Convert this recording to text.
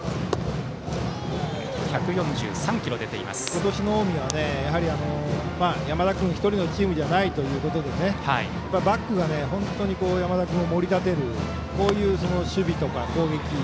今年の近江は山田君１人のチームじゃないということでバックが本当に山田君を盛り立てるこういう守備とか攻撃。